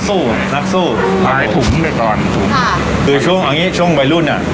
สู้นักสู้ขายถุ๋มด้วยก่อนค่ะคือช่วงอันนี้ช่วงวัยรุ่นนี้